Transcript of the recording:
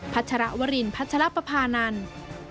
ัชรวรินพัชรปภานันทร์